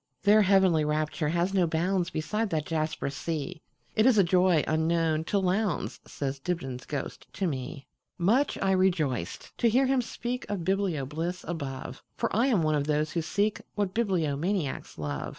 Their heavenly rapture has no boundsBeside that jasper sea; It is a joy unknown to Lowndes,"Says Dibdin's ghost to me. Much I rejoiced to hear him speakOf biblio bliss above, For I am one of those who seekWhat bibliomaniacs love.